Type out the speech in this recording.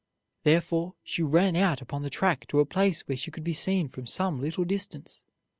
Thereupon she ran out upon the track to a place where she could be seen from some little distance.